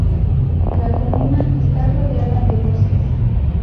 La comuna está rodeada de bosques.